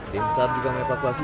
timsat juga mengevakuasi